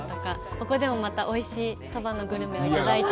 ここでもまたおいしい鳥羽のグルメをいただいて。